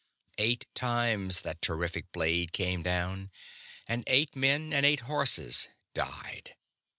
Eight times that terrific blade came down, and eight men and eight horses died.